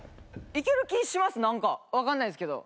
いける気しますなんかわかんないですけど。